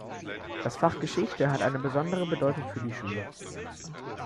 Das Fach Geschichte hat eine besondere Bedeutung für die Schule.